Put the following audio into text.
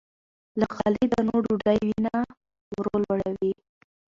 له غلې- دانو ډوډۍ وینه ورو لوړوي.